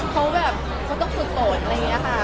เขาแบบเขาต้องฝึกฝนอะไรอย่างนี้ค่ะ